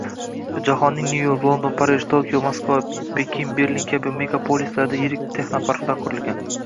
Jahonning Nyu York, London, Parij, Tokio, Moskva, Pekin, Berlin kabi megapolislarida yirik ekoparklar qurilgan